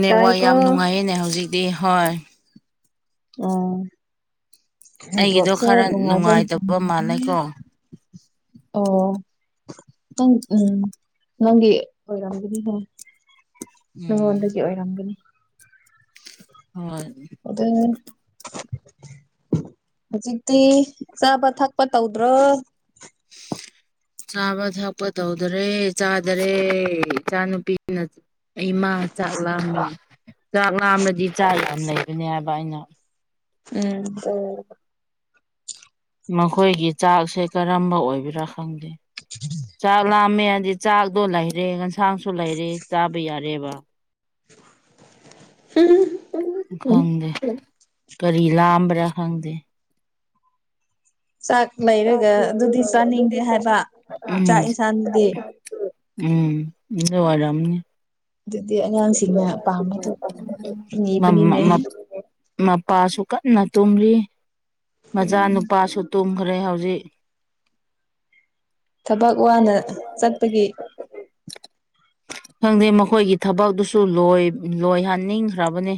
Network ꯇꯥꯏꯀꯣ ꯌꯥꯝ ꯅꯨꯡꯉꯥꯏꯌꯦꯅꯦ ꯍꯧꯖꯤꯛꯇꯤ ꯍꯣꯏ ꯑꯣ ꯑꯩꯒꯤꯗꯣ ꯅꯦꯠꯋꯥꯛꯁꯦ ꯈꯔ ꯅꯨꯡꯉꯥꯏꯕꯅꯤ ꯅꯨꯡꯉꯥꯏꯇꯕ ꯃꯥꯜꯂꯦꯀꯣ [inaudible] ꯑꯣ ꯅꯪ ꯎꯝ ꯅꯪꯒꯤ ꯑꯣꯏꯔꯝꯒꯅꯤ ꯍꯦ ꯎꯝ ꯅꯉꯣꯟꯗꯒꯤ ꯑꯣꯏꯔꯝꯒꯅꯤ ꯍꯣꯏ ꯑꯗꯨꯅꯦ ꯍꯧꯖꯤꯛꯇꯤ ꯆꯥꯕ ꯊꯛꯄ ꯇꯧꯗ꯭ꯔꯣ ꯆꯥꯕ ꯊꯛꯄ ꯇꯧꯗꯔꯦ ꯆꯥꯗꯔꯦ ꯏꯆꯥ ꯅꯨꯨꯄꯤꯅ ꯑꯩꯃꯥ ꯆꯥꯛ ꯂꯥꯝꯃꯦ ꯆꯥꯛ ꯂꯥꯝꯂꯗꯤ ꯆꯥ ꯌꯥꯝ ꯂꯩꯕꯅꯦ ꯍꯥꯏꯕ ꯑꯩꯅ ꯎꯝ ꯑꯣ ꯃꯈꯣꯏꯒꯤ ꯆꯥꯛꯁꯦ ꯀꯔꯝꯕ ꯑꯣꯏꯕꯔꯥ ꯈꯪꯗꯦ [unintelligible] ꯆꯥꯛ ꯂꯥꯝꯃꯦ ꯍꯥꯏꯗꯤ ꯆꯥꯛꯗꯣ ꯂꯩꯔꯦ ꯏꯟꯁꯥꯡꯁꯨ ꯂꯩꯔꯦ ꯆꯥꯕ ꯌꯥꯔꯦꯕ [inaudible] [inaudible] ꯎꯝ ꯈꯪꯗꯦ ꯀꯔꯤ ꯂꯥꯝꯕꯔꯥ ꯈꯪꯗꯦ ꯆꯥꯛ ꯃꯩ ꯆꯥꯛ ꯂꯩꯔꯦ ꯂꯣꯏꯔꯛꯑꯗꯤ [inaudible] ꯆꯥꯛ ꯌꯦꯟꯁꯥꯡꯗꯨꯗꯤ ꯎꯝ ꯑꯗꯨ ꯑꯣꯏꯔꯝꯅꯤ ꯑꯗꯨꯗꯤ ꯑꯉꯥꯡꯁꯤꯡꯅ ꯄꯥꯝꯕꯗꯨ [unintelligible] ꯃꯝ ꯃꯝ ꯅꯤꯕꯅꯤꯅꯦ ꯃꯝ ꯃꯄꯥꯁꯨ ꯀꯟꯅ ꯇꯨꯝꯂꯤ ꯃꯆꯥ ꯎꯝ ꯅꯨꯨꯄꯥꯁꯨ ꯇꯨꯝꯈ꯭ꯔꯦ ꯍꯧꯖꯤꯛ ꯊꯕꯛ ꯋꯥꯅ ꯆꯠꯄꯒꯤ ꯈꯪꯗꯦ ꯃꯈꯣꯏꯒꯤ ꯊꯕꯛꯗꯨꯁꯨ ꯂꯣꯏ ꯂꯣꯏꯍꯟꯅꯤꯡꯈ꯭ꯔꯕꯅꯦ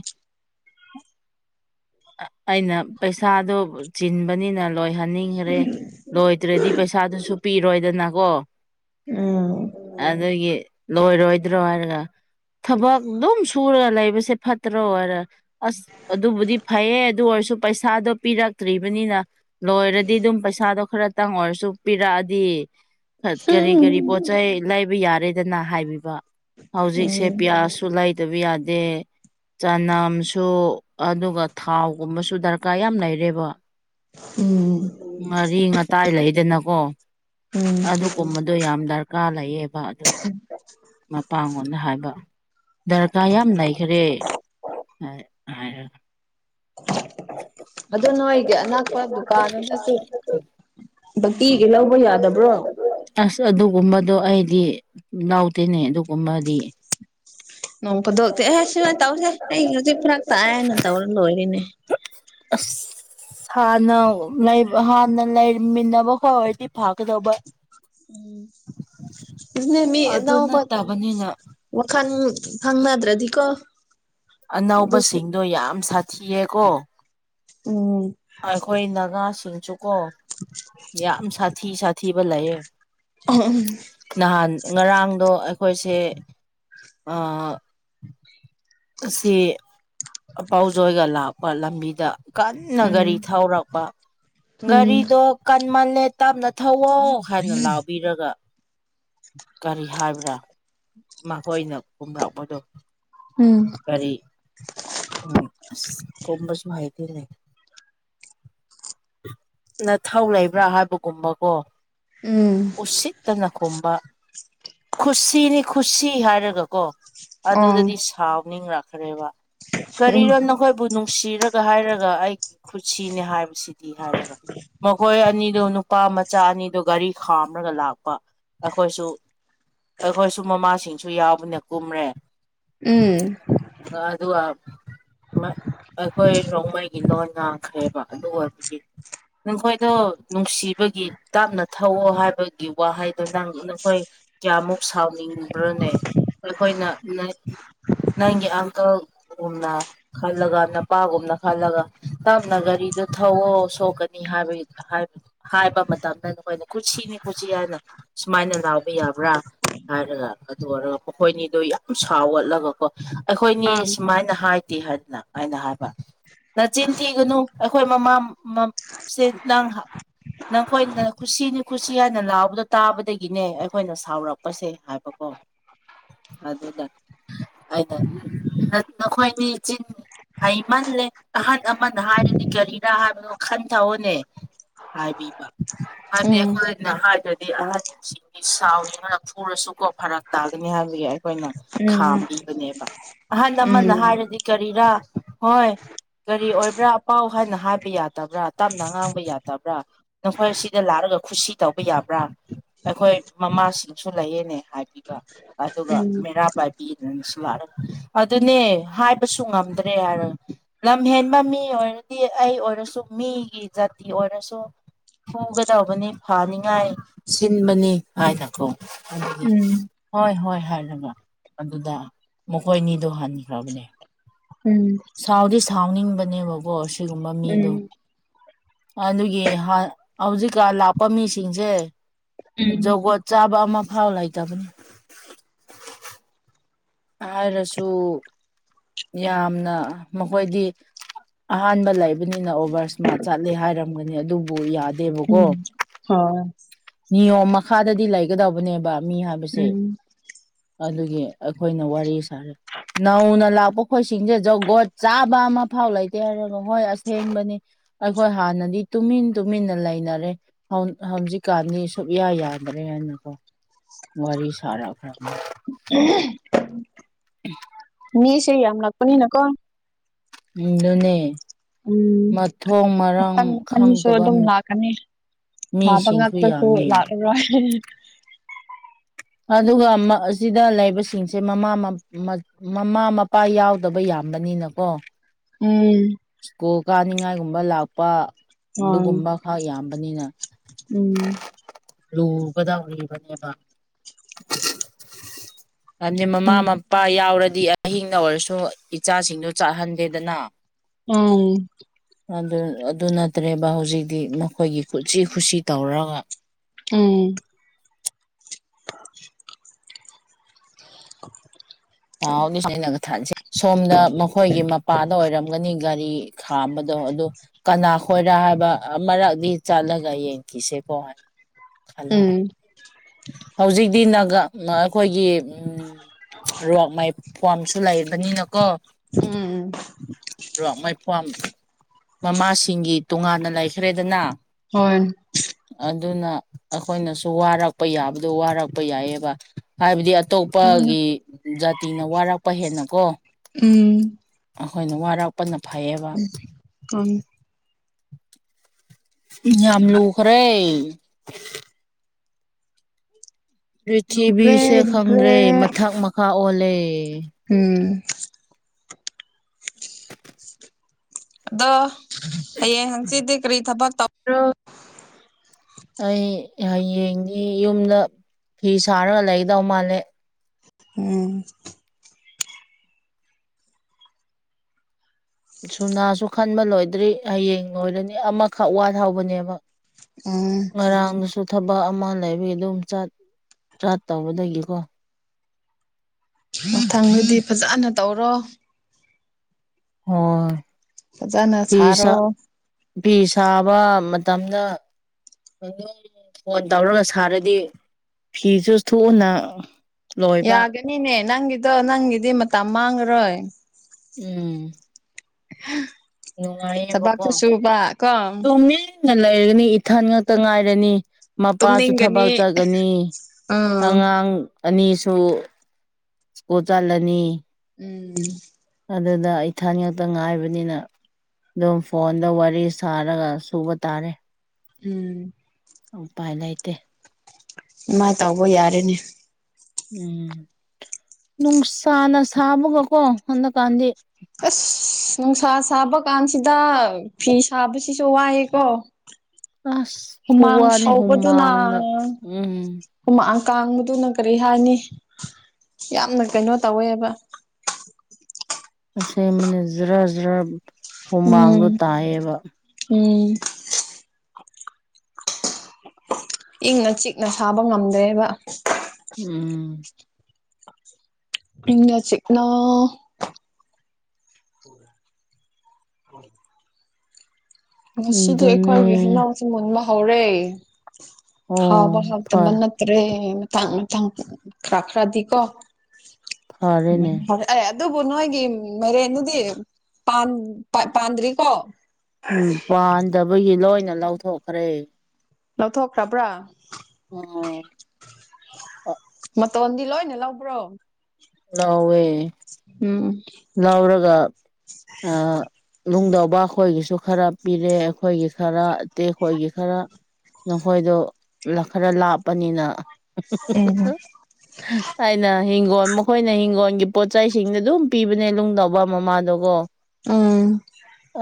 ꯑꯩꯅ ꯄꯩꯁꯥꯗꯣ ꯆꯤꯟꯕꯅꯤꯅ ꯂꯣꯏꯍꯟꯅꯤꯡꯒ꯭ꯔꯦ ꯂꯣꯏꯗ꯭ꯔꯗꯤ ꯄꯩꯁꯥꯗꯨꯁꯨ ꯄꯤꯔꯣꯏꯗꯅꯀꯣ ꯎꯝ ꯑꯗꯨꯒꯤ ꯂꯣꯏꯔꯣꯏꯗ꯭ꯔꯣ ꯍꯥꯏꯔꯒ ꯊꯕꯛ ꯑꯗꯨꯝ ꯁꯨꯔꯒ ꯂꯩꯕꯁꯦ ꯐꯠꯇ꯭ꯔꯣ ꯍꯥꯏꯔ ꯑꯁ ꯑꯗꯨꯕꯨꯗꯤ ꯐꯩꯌꯦ ꯑꯗꯨ ꯑꯣꯏꯔꯁꯨ ꯄꯩꯁꯥꯗꯣ ꯄꯤꯔꯛꯇ꯭ꯔꯤꯕꯅꯤꯅ ꯂꯣꯏꯔꯗꯤ ꯑꯗꯨꯝ ꯄꯩꯁꯥꯗꯣ ꯈꯔꯇꯪ ꯑꯣꯏꯔꯁꯨ ꯄꯤꯔꯛꯑꯗꯤ ꯑꯁ ꯀꯔꯤ ꯀꯔꯤ ꯎꯝ ꯄꯣꯠꯆꯩ ꯂꯩꯕ ꯌꯥꯔꯦꯗꯅ ꯍꯥꯏꯕꯤꯕ ꯍꯧꯖꯤꯛꯁꯦ ꯄꯤꯌꯥꯁꯁꯨ ꯂꯩꯗꯕ ꯌꯥꯗꯦ ꯆꯅꯝꯁꯨ ꯑꯗꯨꯒ ꯊꯥꯎꯒꯨꯝꯕꯁꯨ ꯗꯔꯀꯥꯔ ꯌꯥꯝ ꯂꯩꯔꯦꯕ ꯎꯝ ꯉꯔꯤ ꯉꯇꯥꯏ ꯂꯩꯗꯅꯀꯣ ꯎꯝ ꯑꯗꯨ ꯀꯨꯝꯕꯗꯣ ꯌꯥꯝ ꯗꯔꯀꯥꯔ ꯂꯩꯌꯦꯕ ꯑꯗꯨꯅ ꯎꯝ ꯃꯄꯥꯡꯒꯣꯟꯅ ꯍꯥꯏꯕ ꯗꯔꯀꯥꯔ ꯌꯥꯝ ꯂꯩꯈ꯭ꯔꯦ꯫ ꯑꯗꯨ ꯅꯣꯏꯒꯤ ꯑꯅꯛꯄ ꯗꯨꯀꯥꯟꯗ ꯆꯠꯁꯦ꯫ ꯕꯛꯀꯤꯒꯤ ꯂꯧꯕ ꯌꯥꯗꯕ꯭ꯔꯣ꯫ ꯑꯁ ꯑꯗꯨꯒꯨꯝꯕꯗꯣ ꯑꯩꯗꯤ ꯅꯧꯇꯦꯅꯦ ꯑꯗꯨꯒꯨꯝꯕꯗꯤ꯫ ꯅꯣꯡ ꯐꯊꯣꯛꯇꯤ ꯑꯦꯍ ꯁꯨꯃꯥꯏꯅ ꯇꯧꯁꯦ ꯑꯩ ꯍꯧꯖꯤꯛ ꯐꯔꯛ ꯇꯥꯛꯑꯦꯅꯦ ꯇꯧꯔ ꯂꯣꯏꯔꯦꯅꯦ꯫ ꯑꯁ ꯍꯥꯟꯅꯧ ꯉꯥꯏꯕ ꯍꯥꯟꯅ ꯂꯩꯃꯤꯟꯅꯕ ꯀꯣꯏ ꯄꯤ ꯐꯤꯒꯗꯧꯕ ꯎꯝ ꯅꯦ ꯃꯤ ꯑꯗꯨ ꯑꯅꯧꯕꯗ ꯅꯠꯇꯕꯅꯤꯅ ꯋꯥꯈꯟ ꯈꯪꯅꯗ꯭ꯔꯗꯤꯀꯣ ꯑꯗꯨꯁꯨ ꯑꯅꯧꯕꯁꯤꯡꯗꯣ ꯌꯥꯝ ꯁꯥꯊꯤꯌꯦ ꯀꯣ꯫ ꯎꯝ ꯑꯩꯈꯣꯏ ꯅꯥꯒꯥ ꯁꯤꯡꯁꯨꯀꯣ ꯌꯥꯝ ꯁꯥꯊꯤ ꯁꯥꯊꯤꯕ ꯂꯩꯌꯦ꯫ ꯅꯍꯥꯟ ꯉꯔꯥꯡꯗꯣ ꯑꯩꯈꯣꯏꯁꯦ ꯑꯥ ꯑꯁꯤ ꯑꯄꯥꯎꯖꯣꯏꯒ ꯂꯥꯛꯄ ꯂꯝꯕꯤꯗ꯫ ꯀꯟꯅ ꯎꯝ ꯒꯥꯔꯤ ꯊꯧꯔꯛꯄ ꯎꯝ ꯒꯥꯔꯤꯗꯣ ꯀꯟꯃꯜꯂꯦ ꯇꯞꯅ ꯊꯧꯋꯣ ꯍꯥꯏꯅ ꯂꯥꯎꯕꯤꯔꯒ ꯀꯔꯤ ꯍꯥꯏꯕ꯭ꯔꯥ ꯃꯈꯣꯏꯅ ꯀꯨꯝꯔꯛꯄꯗꯣ ꯎꯝ ꯀꯔꯤ ꯎꯝ ꯑꯁ ꯈꯨꯝꯕꯁꯨ ꯍꯩꯇꯦꯅꯦ ꯅꯊꯧ ꯂꯩꯕ꯭ꯔꯥ ꯍꯥꯏꯕꯒꯨꯝꯕ ꯀꯣ ꯎꯝ ꯎꯁꯤꯠꯇꯅ ꯈꯨꯝꯕ ꯈꯨꯁꯤꯅꯤ ꯈꯨꯁꯤ ꯍꯥꯏꯔꯒꯀꯣ ꯑꯣ ꯑꯗꯨꯗꯗꯤ ꯁꯥꯎꯅꯤꯡꯔꯛꯈ꯭ꯔꯦꯕ ꯎꯝ ꯀꯔꯤꯔ ꯅꯈꯣꯏꯕꯨ ꯅꯨꯡꯁꯤꯔꯒ ꯍꯥꯏꯔꯒ ꯑꯩꯒꯤ ꯈꯨꯠꯁꯤꯅꯦ ꯍꯥꯏꯕꯁꯤꯗꯤ ꯍꯥꯏꯔꯒ ꯃꯈꯣꯏ ꯑꯅꯤꯗꯨ ꯅꯨ ꯄꯥ ꯃꯆꯥ ꯑꯅꯤꯗꯨ ꯒꯥꯔꯤ ꯈꯥꯝꯔꯒ ꯂꯥꯛꯄ꯫ ꯑꯩꯈꯣꯏꯁꯨ ꯑꯩꯈꯣꯏꯁꯨ ꯃꯃꯥꯁꯤꯡꯁꯨ ꯌꯥꯎꯕꯅꯦ ꯀꯨꯝꯔꯦ ꯎꯝ ꯑ ꯑꯗꯨꯒ ꯏꯃꯩ ꯑꯩꯈꯣꯏ ꯔꯣꯡꯃꯩꯒꯤ ꯂꯣꯟꯗꯥ ꯈ꯭ꯔꯦꯕ ꯑꯗꯨ ꯑꯣꯏꯕꯒꯤ ꯅꯈꯣꯏꯗꯣ ꯅꯨꯡꯁꯤꯕꯒꯤ ꯇꯥꯞꯅ ꯊꯧꯋꯣ ꯍꯥꯏꯕꯥꯏ ꯒꯤ ꯋꯥꯍꯩꯗꯣ ꯅꯪ ꯅꯈꯣꯏ ꯀꯌꯥꯃꯨꯛ ꯁꯥꯎꯅꯤꯡꯕ꯭ꯔꯅꯦ ꯑꯩꯈꯣꯏꯅ ꯅꯩ [inaudible] ꯅꯪꯒꯤ ꯑꯪꯀꯜꯒꯨꯝꯅ ꯈꯜꯂꯒ ꯅꯄꯥꯒꯨꯝꯅ ꯈꯜꯂꯒ ꯇꯝꯅ ꯒꯥꯔꯤꯗꯨ ꯊꯧꯋꯣ ꯁꯣꯛꯀꯅꯤ ꯍꯥꯏꯕꯒꯤ ꯍꯥꯏꯞ ꯍꯥꯏꯕ ꯃꯇꯝꯗ ꯅꯈꯣꯏꯅ ꯀꯨꯠꯁꯤꯅꯤ ꯀꯨꯠꯁꯤ ꯍꯥꯏꯅ ꯁꯨꯃꯥꯏꯅ ꯂꯥꯎꯕ ꯌꯥꯕ꯭ꯔꯥ ꯍꯥꯏꯔꯒ ꯑꯗꯨ ꯑꯣꯏꯔꯒ ꯃꯈꯣꯏꯅꯤꯗꯣ ꯌꯥꯝꯁ ꯁꯥꯎ ꯐꯥꯎꯒꯠꯂꯒꯀꯣ ꯑꯩꯈꯣꯏꯅꯤ ꯁꯨꯃꯥꯏꯅ ꯍꯥꯏꯗꯦ ꯍꯥꯏꯗꯅ ꯑꯩꯅ ꯍꯥꯏꯕ ꯅꯆꯤꯟ ꯊꯤꯒꯅꯨ ꯑꯩꯈꯣꯏ ꯃꯃꯥ ꯃꯝ ꯁꯦ ꯅꯡ ꯅꯈꯣꯏꯅ ꯈꯨꯁꯤꯅꯤ ꯈꯨꯁꯤ ꯍꯥꯏꯅ ꯂꯥꯎꯕꯗꯣ ꯇꯥꯕꯗꯒꯤꯅꯦ ꯑꯩꯈꯣꯏꯅ ꯁꯥꯎꯔꯛꯄꯁꯦ ꯍꯥꯏꯕꯀꯣ [inaudible] ꯑꯗꯨꯗ ꯑꯩꯅ ꯅ ꯅꯈꯣꯏꯅꯤ ꯆꯤꯟ ꯍꯩꯃꯜꯂꯦ ꯑꯍꯟ ꯑꯃꯅ ꯍꯥꯏꯔꯗꯤ ꯀꯔꯤꯔ ꯍꯥꯏꯕꯅꯣ ꯈꯟꯊꯑꯣꯅꯦ ꯍꯥꯏꯕꯤꯕ ꯎꯝ ꯍꯥꯏꯕꯗꯤ ꯎꯝ ꯑꯩꯈꯣꯏꯅ ꯍꯥꯏꯗ꯭ꯔꯗꯤ ꯑꯍꯟ ꯁꯤꯡ ꯁꯥꯎꯅꯤꯡꯔꯒ ꯐꯨꯔꯁꯨꯀꯣ ꯐꯔꯛ ꯇꯥꯒꯅꯤ ꯍꯥꯏꯕꯒꯤ ꯑꯩꯈꯣꯏꯅ ꯎꯝ ꯎꯝ ꯎꯝ ꯈꯥꯝꯕꯤꯕꯅꯦꯕ ꯑꯍꯟ ꯑꯃꯅ ꯍꯥꯏꯔꯗꯤ ꯀꯔꯤꯔꯥ ꯍꯣꯏ ꯀꯔꯤ ꯑꯣꯏꯕ꯭ꯔꯥ ꯄꯥꯎ ꯍꯥꯏꯅ ꯍꯥꯏꯕ ꯌꯥꯗꯕ꯭ꯔꯥ ꯇꯞꯅ ꯉꯥꯡꯕ ꯌꯥꯗꯕ꯭ꯔꯥ ꯅꯈꯣꯏ ꯁꯤꯗ ꯂꯥꯛꯔꯒ ꯈꯨꯁꯤ ꯇꯧꯕ ꯌꯥꯕ꯭ꯔꯥ ꯑꯩꯈꯣꯏ ꯃꯃꯥꯁꯤꯡꯁꯨ ꯂꯩꯌꯦꯅꯦ ꯍꯥꯏꯕꯤꯕ ꯑꯗꯨꯒ ꯃꯩꯔꯥ ꯄꯥꯏꯁꯨ ꯂꯩ ꯄꯤꯅꯁꯨ ꯂꯥꯛꯔꯒ ꯑꯗꯨꯅꯦ ꯍꯥꯏꯕꯁꯨ ꯉꯝꯗ꯭ꯔꯦ ꯍꯥꯏꯔꯒ ꯂꯝ ꯍꯦꯟꯕ ꯃꯤ ꯑꯣꯏꯔꯗꯤ ꯑꯩ ꯑꯣꯏꯔꯁꯨ ꯃꯤꯒꯤ ꯖꯥꯇꯤ ꯑꯣꯏꯔꯁꯨ ꯐꯨꯒꯗꯧꯕꯅꯤ ꯐꯥꯅꯤꯡꯉꯥꯏ ꯁꯤꯟꯕꯅꯤ ꯍꯥꯏꯅꯀꯣ ꯍꯣꯏ ꯍꯣꯏ ꯍꯥꯏꯔꯒ ꯑꯗꯨꯗ ꯃꯈꯣꯏꯅꯤꯗꯣ ꯍꯟꯈ꯭ꯔꯕꯅꯦ ꯎꯝ ꯁꯥꯎꯗꯤ ꯁꯥꯎꯅꯤꯡꯕꯅꯦꯕꯀꯣ ꯁꯤꯒꯨꯝꯕ ꯃꯤꯗꯣ ꯎꯝ ꯑꯗꯨꯒꯤ ꯍꯥꯟ ꯍꯧꯖꯤꯛꯀꯥꯟ ꯂꯥꯛꯄ ꯃꯤꯁꯤꯡꯁꯦ ꯎꯝ ꯖꯧꯒꯣꯠ ꯆꯥꯕ ꯑꯃ ꯐꯥꯎ ꯂꯩꯇꯕꯅꯤ ꯍꯥꯏꯔꯁꯨ ꯌꯥꯝꯅ ꯃꯈꯣꯏꯗꯤ ꯂꯧꯗꯦ ꯑꯍꯥꯟꯕ ꯂꯩꯕꯅꯤꯅ ꯑꯣꯚꯔꯁ꯭ꯃꯥꯔꯠ ꯆꯠꯂꯦ ꯍꯥꯏꯔꯝꯒꯅꯤ ꯑꯗꯨꯕꯨ ꯎꯝ ꯌꯥꯗꯦꯕꯀꯣ ꯎꯝ ꯍꯣꯏ ꯅꯤꯌꯣꯝ ꯃꯈꯥꯗꯗꯤ ꯂꯩꯒꯗꯧꯕꯅꯦꯕ ꯃꯤ ꯍꯥꯏꯕꯁꯦ ꯎꯝ ꯑꯗꯨꯒꯤ ꯑꯩꯈꯣꯏꯅ ꯋꯥꯔꯤ ꯁꯥꯔꯦ ꯅꯧꯅ ꯂꯥꯛꯄ ꯈꯣꯏ ꯁꯤꯡꯁꯦ ꯖꯒꯣꯠ ꯆꯥꯕ ꯑꯃ ꯐꯥꯎ ꯂꯩꯇꯦ ꯍꯥꯏꯔ ꯍꯣꯏ ꯑꯁꯦꯡꯕꯅꯤ ꯑꯩꯈꯣꯏ ꯍꯥꯟꯅꯗꯤ ꯇꯨꯃꯤꯟ ꯇꯨꯃꯤꯟꯅ ꯂꯩꯅꯔꯦ ꯍꯧꯖꯤꯛꯇꯤ ꯍꯧꯖꯤꯛ ꯀꯥꯟꯅꯤ ꯁꯨꯌꯥ ꯌꯥꯗ꯭ꯔꯦ ꯍꯥꯏꯅꯀꯣ ꯋꯥꯔꯤ ꯁꯥꯔꯛꯈ꯭ꯔꯕꯅꯤ ꯎꯝ ꯎ ꯃꯤꯁꯦ ꯌꯥꯝ ꯂꯥꯛꯄꯅꯤꯅ ꯀꯣ ꯑꯗꯨꯅꯦ ꯎꯝ ꯃꯊꯣꯡ ꯃꯔꯥꯡ ꯃꯈꯟ ꯃꯈꯟꯁꯨ ꯈꯪꯗꯕ ꯑꯗꯨꯝ ꯂꯥꯛꯀꯅꯤ ꯐꯕ ꯃꯤꯁꯤꯡꯁꯨ ꯉꯥꯛꯇꯁꯨ ꯌꯥꯝꯃꯦ ꯂꯥꯛꯂꯔꯣꯏ ꯑꯗꯨꯒ ꯑꯁꯤꯗ ꯂꯩꯕꯁꯤꯡꯁꯦ ꯃꯃꯥ ꯃꯆꯦ ꯉꯛꯇꯅꯤ ꯃꯃꯥ ꯃꯄꯥ ꯌꯥꯎꯗꯕ ꯌꯥꯝꯕꯅꯤꯅꯀꯣ ꯎꯝ ꯁ꯭ꯀꯨꯜ ꯀꯥꯅꯤꯡꯉꯥꯏꯒꯨꯝꯕ ꯂꯥꯛꯄ ꯍꯣꯏ ꯑꯗꯨꯒꯨꯝꯕ ꯈꯛ ꯌꯥꯝꯕꯅꯤꯅ ꯎꯝ ꯂꯨꯒꯗꯔꯤꯕꯅꯦꯕ ꯍꯥꯏꯕꯗꯤ ꯃꯃꯥ ꯎꯝ ꯃꯄꯥ ꯌꯥꯎꯔꯗꯤ ꯑꯍꯤꯡꯗ ꯑꯣꯏꯔꯁꯨ ꯏꯆꯥꯁꯤꯡꯗꯨ ꯆꯥꯛꯍꯟꯗꯦꯗꯅ ꯎꯝ ꯑꯗꯨ ꯅꯠꯇ꯭ꯔꯦꯕ ꯍꯧꯖꯤꯛꯇꯤ ꯃꯈꯣꯏꯒꯤ ꯈꯨꯠꯁꯤ ꯈꯨꯠꯁꯤ ꯇꯧꯔꯒ ꯂꯩꯔꯦꯕ ꯎꯝ ꯑ ꯍꯤꯛ ꯀ ꯍꯤꯛ ꯄꯥꯎꯗꯤꯅꯒ ꯊꯥꯖꯩ ꯁꯣꯝꯅ ꯃꯈꯣꯏꯒꯤ ꯃꯄꯥꯗ ꯑꯣꯏꯔꯝꯒꯅꯤ ꯒꯥꯔꯤ ꯈꯥꯝꯕꯗꯣ ꯑꯗꯨ ꯀꯅꯥ ꯈꯣꯏꯔꯥ ꯍꯥꯏꯕ ꯑꯃꯛꯗꯤ ꯆꯠꯂꯒ ꯌꯦꯡꯈꯤꯁꯦꯀꯣ ꯒ꯭ꯌꯥꯟ ꯎꯝ ꯇꯥꯗꯦ ꯎꯝ ꯍꯧꯖꯤꯛꯇꯤ ꯅꯥꯒ ꯑꯩꯈꯣꯏꯒꯤ ꯔꯣꯛꯃꯩ ꯐꯣꯝꯁꯨ ꯂꯩꯔꯕꯅꯤꯅꯀꯣ ꯎꯝ ꯔꯣꯛꯃꯩ ꯐꯣꯝ ꯃꯃꯥꯁꯤꯡꯒꯤ ꯇꯣꯉꯥꯟꯅ ꯂꯩꯈ꯭ꯔꯦꯗꯅ ꯍꯣꯏ ꯑꯗꯨꯅ ꯑꯩꯈꯣꯏꯅꯁꯨ ꯋꯥꯔꯛꯄ ꯌꯥꯕꯗꯣ ꯋꯥꯔꯛꯄ ꯌꯥꯏꯑꯕ ꯍꯥꯏꯕꯗꯤ ꯑꯇꯣꯞꯄꯒꯤ ꯖꯥꯇꯤꯅ ꯋꯥꯔꯛꯄ ꯍꯦꯟꯅꯀꯣ ꯎꯝ ꯑꯩꯈꯣꯏꯅ ꯋꯥꯔꯛꯄꯅ ꯐꯩꯌꯦꯕ [unintelligible] ꯌꯥꯝ ꯂꯨꯈꯔꯦ ꯂꯨꯈ꯭ꯔꯦ ꯄ꯭ꯔꯤꯊꯤꯕꯤꯁꯦ ꯈꯪꯗ꯭ꯔꯦ ꯂꯨꯈ꯭ꯔꯦ ꯃꯊꯛ ꯃꯈꯥ ꯑꯣꯜꯂꯦ ꯎꯝ ꯑꯗꯣ ꯍꯌꯦꯡ ꯍꯪꯆꯤꯠꯗꯤ ꯀꯔꯤ ꯊꯕꯛ ꯇꯧꯕꯔꫭ ꯑꯩ ꯍꯌꯦꯡꯗꯤ ꯌꯨꯝꯗ ꯐꯤ ꯁꯥꯔꯒ ꯂꯩꯒꯗꯧ ꯃꯥꯜꯂꯦ ꯎꯝ ꯁꯨꯅꯥꯁꯨ ꯈꯟꯕ ꯂꯣꯏꯗ꯭ꯔꯤ ꯍꯌꯦꯡ ꯂꯣꯏꯔꯅꯤ ꯑꯃꯈꯛ ꯋꯥꯠꯍꯧꯕꯅꯦꯕ ꯎꯝ ꯉꯔꯥꯡꯗꯁꯨ ꯊꯕꯛ ꯑꯃ ꯂꯩꯕꯒꯤ ꯑꯗꯨꯝ ꯆꯠ ꯆꯥꯠꯇꯧꯕꯗꯒꯤꯀꯣ ꯃꯊꯪꯗꯗꯤ ꯐꯖꯅ ꯇꯧꯔꯣ ꯍꯣꯏ ꯐꯖꯅ ꯐꯤ ꯁ ꯁꯥꯔꯣ ꯐꯤ ꯁꯥꯕ ꯃꯇꯝꯗ ꯑꯗꯨꯝ ꯐꯣꯟ ꯇꯧꯔꯒ ꯁꯥꯔꯗꯤ ꯐꯤꯁꯨ ꯊꯨꯅ ꯂꯣꯏꯕ ꯌꯥꯒꯅꯤꯅꯦ ꯅꯪꯒꯤꯗꯣ ꯅꯪꯒꯤꯗꯤ ꯃꯇꯝ ꯃꯥꯡꯉꯔꯣꯏ ꯎꯝ ꯅꯨꯡꯉꯥꯏꯌꯦꯕꯀꯣ ꯊꯕꯥꯛꯁꯨ ꯁꯨꯕ ꯀꯣ ꯇꯨꯃꯤꯟꯅ ꯂꯩꯔꯒꯅꯤ ꯏꯊꯟ ꯉꯥꯛꯇ ꯉꯥꯏꯔꯅꯤ ꯃꯄꯥꯁꯨ ꯊꯕꯛ ꯇꯨꯝꯅꯤꯡꯒꯅꯤ ꯆꯠꯒꯅꯤ ꯎꯝ ꯑꯉꯥꯡ ꯑꯅꯤꯁꯨ ꯁꯀꯨꯜ ꯆꯠꯂꯅꯤ ꯎꯝ ꯑꯗꯨꯗ ꯏꯊꯟ ꯉꯥꯛꯇ ꯉꯥꯏꯕꯅꯤꯅ ꯑꯗꯨꯝ ꯐꯣꯟꯗ ꯋꯥꯔꯤ ꯁꯥꯔꯒ ꯁꯨꯕ ꯇꯥꯔꯦ ꯎꯝ ꯎꯄꯥꯏ ꯂꯩꯇꯦ ꯏꯃꯥꯏ ꯇꯧꯕ ꯌꯥꯔꯦꯅꯦ ꯎꯝ ꯅꯨꯡꯁꯥꯅ ꯁꯥꯕꯒꯀꯣ ꯍꯟꯗꯛꯀꯥꯟꯗꯤ ꯑꯁ ꯅꯨꯡꯁꯥ ꯁꯥꯕ ꯀꯥꯟꯁꯤꯗ ꯐꯤ ꯁꯥꯕꯁꯤꯁꯨ ꯋꯥꯏꯑꯦꯀꯣ ꯑꯁ ꯍꯨꯃꯥꯡ ꯈꯨꯋꯥꯅꯤ ꯁꯧꯕꯗꯨꯅ ꯍꯨꯃꯥꯡꯅ ꯎꯝ ꯍꯨꯃꯥꯡ ꯀꯥꯡꯕꯗꯨꯅ ꯀꯔꯤ ꯍꯥꯏꯅꯤ ꯌꯥꯝꯅ ꯀꯩꯅꯣ ꯇꯧꯋꯦꯕ ꯑꯁꯦꯡꯕꯅꯦ ꯖꯔꯥ ꯖꯔꯥ ꯎꯝ ꯎꯝ ꯏꯪꯡꯅ ꯆꯤꯛꯅ ꯁꯥꯕ ꯉꯝꯗ꯭ꯔꯦꯕ ꯎꯝ ꯏꯪꯅꯥ ꯆꯤꯛꯅꯥ ꯉꯁꯤꯗꯤ ꯑꯗꯨꯅꯦ ꯑꯩꯈꯣꯏꯒꯤ ꯍꯩꯅꯎꯁꯦ ꯃꯨꯟꯕ ꯍꯧꯔꯦ ꯑꯣ ꯍꯥꯎꯕ ꯍꯥꯎꯇꯕ ꯐꯔ ꯅ ꯔꯦ ꯃꯊꯪ ꯃꯊꯪ ꯈ꯭ꯔꯈꯔꯗꯤꯀꫭ ꯐꯔꯦꯅꯦ ꯑꯦ ꯑꯗꯨꯕꯨ ꯅꯣꯏꯒꯤ ꯃꯩꯔꯦꯟꯗꯨꯗꯤ ꯄꯥꯟ ꯄꯥꯟꯗ꯭ꯔꯤꯀꯣ ꯎꯝ ꯄꯥꯟꯗꯕꯒꯤ ꯂꯣꯏꯅ ꯂꯧꯊꯣꯛꯈ꯭ꯔꯦ ꯂꯧꯊꯣꯛꯈ꯭ꯔꯕ꯭ꯔꯥ? ꯎꯝ ꯃꯇꫭꯟꯗꯤ ꯂꯣꯏꯅ ꯂꯧꯕ꯭ꯔꯣ ꯅꯧꯋꯦ ꯎꯝ ꯂꯎꯔꯒ ꯑ ꯅꯨꯡꯗꯧꯕ ꯑꯩꯈꯣꯏꯒꯤꯁꯨ ꯈꯔ ꯄꯤꯔꯦ ꯑꯩꯈꯣꯏꯒꯤ ꯈꯔ ꯇꯦ ꯈꯣꯏꯒꯤ ꯈꯔ ꯅꯈꯣꯏꯗꯣ ꯂꯥꯛ ꯈꯔ ꯂꯥꯞꯄꯅꯤꯅ ꯎꯝ ꯑꯩꯅꯥ ꯍꯤꯡꯒꯣꯜ ꯃꯈꯣꯏꯅ ꯍꯤꯡꯒꯣꯜꯒꯤ ꯄꯣꯠꯆꯩꯁꯤꯡꯗꯣ ꯑꯗꯨꯝ ꯄꯤꯕꯅꯦ ꯅꯨꯡꯗꯧꯕ ꯃꯃꯥꯗꯣꯀꯣ ꯎꯝ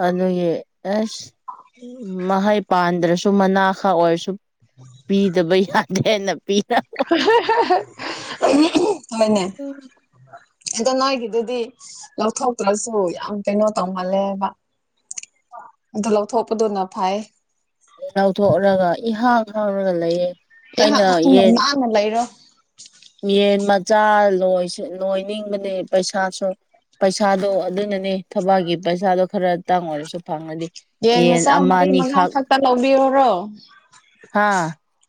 ꯑꯗꯨꯒꯤ ꯑꯁ ꯎꯝ ꯃꯍꯩ ꯄꯥꯟꯗ꯭ꯔꯁꯨ ꯃꯅꯥ ꯈꯛ ꯑꯣꯏꯔꯁꯨ ꯄꯤꯗꯕ ꯌꯥꯗꯦꯅ ꯄꯤꯅꯕ ꯍꯣꯏꯅꯦ ꯑꯗꯣ ꯅꯣꯏꯒꯤꯗꯨꯗꯤ ꯂꯧꯊꯣꯛꯇ꯭ꯔꯁꯨ ꯌꯥꯝ ꯀꯩꯅꯣ ꯇꯧꯃꯜꯂꯦꯕ ꯑꯗꯨ ꯂꯧꯊꯣꯛꯄꯗꯨꯅ ꯐꯩ ꯂꯧꯊꯣꯛꯔꯒ ꯏꯍꯥꯡ ꯍꯥꯡꯔꯒ ꯂꯩꯌꯦ ꯏꯍꯥꯡ ꯑꯩꯅ ꯍꯡꯉꯥ ꯌꯦꯟ ꯅꯥꯟꯅ ꯂꯩꯔꯦ ꯌꯦꯟ ꯃꯆꯥ ꯂꯣꯢꯁꯨ ꯂꯣꯏꯅꯤꯡꯕꯅꯦ ꯄꯩꯁꯥꯁꯨ ꯄꯩꯁꯥꯗꯣ ꯑꯗꯨꯅꯅꯦ ꯊꯕꯛꯒꯤ ꯄꯩꯁꯥꯗꯣ ꯈꯔꯇꯥꯡ ꯑꯣꯏꯔꯁꯨ ꯐꯪꯉꯗꯤ ꯌꯦꯟ ꯃꯆꯥ ꯑꯃ ꯃꯔꯤ ꯃꯉꯥ ꯑꯅꯤꯈꯛ ꯈꯛꯇ ꯂꯧꯕꯤꯌꯨꯔꯣ ꯍꯥ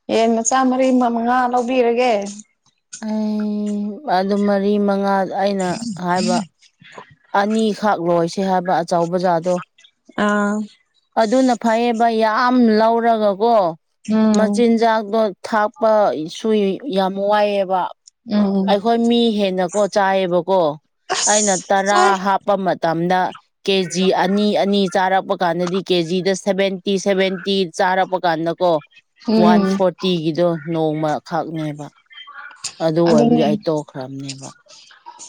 ꯍꯌꯦꯟ ꯃꯆꯥ ꯃꯔꯤ ꯑꯃ ꯃꯉꯥ ꯑꯃ ꯂꯧꯕꯤꯔꯒꯦ ꯑꯩ ꯑꯗꯨ ꯃꯔꯤ ꯃꯉꯥ ꯑꯩꯅ ꯍꯥꯏꯕ ꯑꯅꯤꯈꯛ ꯂꯣꯏꯁꯦ ꯍꯥꯏꯕ ꯑꯆꯧꯕ ꯖꯥꯇꯣ ꯑꯥ ꯑꯗꯨꯅ ꯐꯩꯌꯦꯕ ꯌꯥꯝ ꯂꯧꯔꯒꯀꯣ ꯎꯝ ꯃꯆꯤꯟꯖꯥꯛꯇꯣ ꯊꯥꯛ ꯄꯥꯁꯨ ꯌꯥꯝ ꯋꯥꯏꯑꯦꯕ ꯎꯝ ꯑꯩꯈꯣꯏ ꯃꯤ ꯍꯦꯟꯅꯀꯣ ꯆꯥꯏꯌꯦꯕꯀꯣ ꯑꯩꯅ ꯑꯁ ꯇꯔꯥ ꯆꯥꯏ ꯍꯥꯞꯄ ꯃꯇꯝꯗ ꯀꯦꯖꯤ ꯑꯅꯤ ꯑꯅꯤ ꯆꯥꯔꯛꯄ ꯀꯥꯟꯗꯗꯤ ꯀꯦꯖꯤꯗ ꯁꯦꯚꯦꯟꯇꯤ ꯁꯦꯚꯦꯟꯇꯤ ꯆꯥꯔꯛꯄ ꯀꯥꯟꯗ ꯀꯣ ꯋꯥꯟ ꯎꯝ ꯐꯣꯔꯇꯤꯒꯤꯗꯣ ꯅꯣꯡꯃꯈꯛꯅꯦꯕ ꯑꯗꯨ ꯑꯣꯏꯕꯒꯤ ꯑꯗꯨꯅꯦ ꯑꯩ ꯇꯣꯛꯈ꯭ꯔꯕꯅꯦꯕ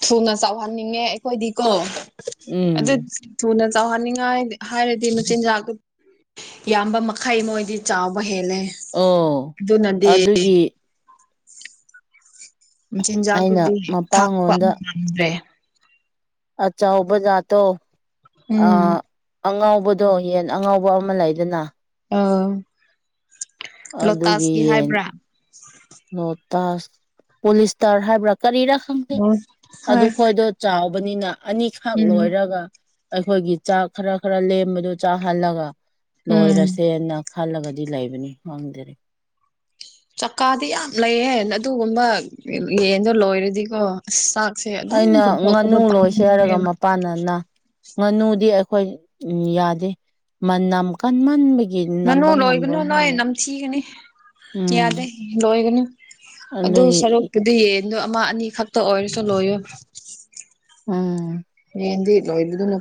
ꯊꯨꯅ ꯆꯥꯎꯍꯟꯅꯤꯡꯉꯦ ꯑꯩꯈꯣꯏꯗꯤꯀꯣ ꯑꯗꯨ ꯎꯝ ꯊꯨꯅ ꯆꯥꯎꯍꯟꯅꯤꯡꯉꯥꯏ ꯍꯥꯏꯔꯗꯤ ꯃꯆꯤꯟꯖꯥꯛꯇꯨ ꯌꯥꯝꯕ ꯃꯈꯩ ꯃꯣꯏꯗꯤ ꯆꯥꯎꯕ ꯍꯦꯜꯂꯦ ꯑꯣ ꯑꯗꯨꯅꯗꯤ ꯑꯗꯨꯒꯤ ꯑꯩꯅ ꯃꯥꯆꯤꯟꯖꯥꯛꯇꯨꯗꯤ ꯊꯥꯛꯄ ꯃꯄꯥꯉꯣꯟꯗ ꯉꯝꯗ꯭ꯔꯦ ꯑꯆꯥꯎꯕ ꯖꯥꯠꯇꯣ ꯑ ꯎꯝ ꯑꯉꯥꯎꯕꯗꯣ ꯌꯦꯟ ꯑꯉꯥꯎꯕ ꯑꯃ ꯂꯩꯗꯅ ꯑꯣ ꯂꯣꯇꯥꯁꯀꯤ ꯍꯥꯏꯕ꯭ꯔꯥ ꯅꯣꯇꯁ ꯄꯣꯂꯤꯁꯇꯔ ꯍꯥꯏꯕ꯭ꯔꯥ ꯀꯔꯤꯔꯥ ꯈꯪꯗꯦ ꯑꯣ ꯑꯗꯨ ꯍꯣꯏ ꯈꯣꯏꯗꯣ ꯆꯥꯎꯕꯅꯤꯅ ꯑꯅꯤꯈꯛ ꯎꯝ ꯂꯣꯏꯔꯒ ꯑꯩꯈꯣꯏꯒꯤ ꯆꯥꯛ ꯈꯔ ꯈꯔ ꯂꯦꯝꯕꯗꯨ ꯆꯥꯍꯜꯂꯒ ꯎꯝ ꯂꯣꯏꯔꯁꯦꯅ ꯈꯜꯂꯒꯗꯤ ꯂꯩꯕꯅꯤ ꯈꯪꯗꯦꯅꯦ ꯆꯀꯥꯗꯤ ꯌꯥꯝ ꯂꯩꯌꯦ ꯑꯗꯨꯒꯨꯝꯕ ꯌꯦꯟꯗꯣ ꯂꯣꯏꯔꯗꯤꯀꯣ ꯑꯁ ꯆꯥꯛꯁꯦ ꯑꯗꯨꯝ ꯄꯨꯨꯊꯣꯛꯄꯗꯣ ꯄꯝꯃꯨꯏꯌꯦꯕꯥ ꯄꯥꯥꯟꯅꯅꯥ ꯉꯥꯅꯨꯗꯤ ꯑꯩꯈꯣꯏ ꯌꯥꯗꯦ ꯃꯅꯥꯝ ꯀꯟꯃꯟꯕꯒꯤ ꯉꯥꯅꯨ ꯅꯝꯕ ꯂꯣꯏꯒꯅꯨ ꯉꯝꯔꯣꯏ ꯅꯣꯏ ꯍꯥꯏꯅ ꯅꯝꯊꯤꯒꯅꯤ ꯎꯝ ꯌꯥꯗꯦ ꯂꯣꯏꯒꯅꯨ ꯑꯗꯨ ꯑꯗꯨꯒꯤ ꯁꯔꯨꯛꯄꯨꯗꯤ ꯌꯦꯟꯗꯣ ꯑꯃ ꯑꯅꯤꯈꯛ ꯇ ꯑꯣꯏꯔꯤꯁꯨ ꯂꯣꯏꯌꯨ ꯎꯝ ꯌꯦꯟꯗꯤ ꯂꯣꯏꯕꯗꯨꯅ